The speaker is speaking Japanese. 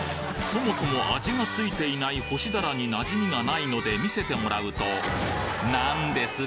そもそも味がついていない干し鱈に馴染みがないので見せてもらうと何です？